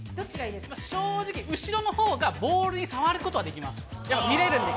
正直、後ろの方がボールに触ることはできます。